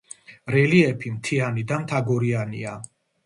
რელიეფი მთიანი და მთაგორიანია.